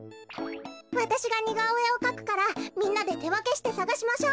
わたしがにがおえをかくからみんなでてわけしてさがしましょう。